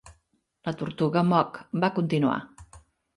La tortuga Mock va continuar.